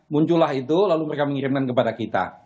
muncullah itu lalu mereka mengirimkan kepada kita